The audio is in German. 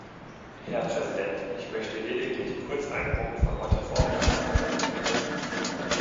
Herr Präsident! Ich möchte lediglich kurz einen Punkt von heute vormittag aufgreifen.